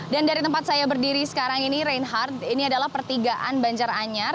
dan dari tempat saya berdiri sekarang ini reinhardt ini adalah pertigaan banjaranyar